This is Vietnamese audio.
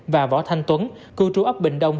và võ thanh tuấn cư trú ấp bình đông